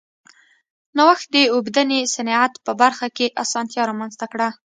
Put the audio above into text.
نوښت د اوبدنې صنعت په برخه کې اسانتیا رامنځته کړه.